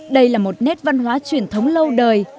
đây là một nét văn hóa truyền thống lâu đời